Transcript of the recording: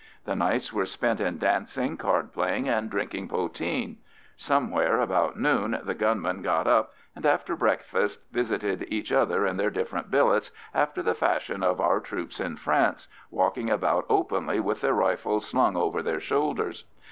The nights were spent in dancing, card playing, and drinking poteen. Somewhere about noon the gunmen got up, and after breakfast visited each other in their different billets after the fashion of our troops in France, walking about openly with their rifles slung over their shoulders.